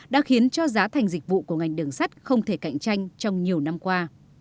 đã khiến cho giá thành dịch vụ của ngành đường sắt không thể cạnh tranh trong nhiều năm qua